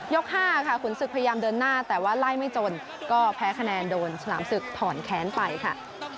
๕ค่ะขุนศึกพยายามเดินหน้าแต่ว่าไล่ไม่จนก็แพ้คะแนนโดนฉลามศึกถอนแค้นไปค่ะ